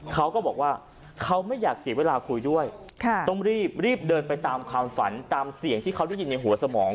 เขาก็บอกว่าเขาไม่อยากเสียเวลาคุยด้วยต้องรีบรีบเดินไปตามความฝันตามเสียงที่เขาได้ยินในหัวสมอง